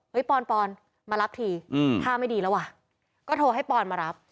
ปอนปอนมารับทีท่าไม่ดีแล้วว่ะก็โทรให้ปอนมารับ